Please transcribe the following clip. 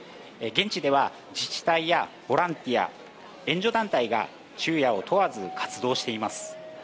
現地では自治体やボランティア、援助団体が昼夜を問わず活動しています。